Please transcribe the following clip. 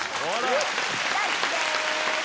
大好きです。